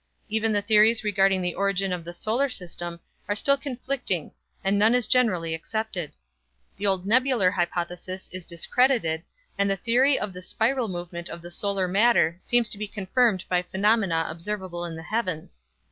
Even the theories regarding the origin of the solar system are still conflicting and none is generally accepted. The old nebular hypothesis is discredited and the theory of the spiral movement of the solar matter seems to be confirmed by phenomena observable in the heavens.